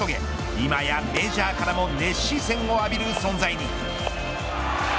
今やメジャーからも熱視線を浴びる存在に。